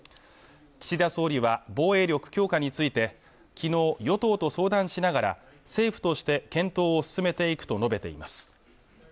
岸田総理は防衛力強化について昨日、与党と相談しながら政府として検討を進めていくと述べています